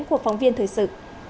của phóng viên thời sự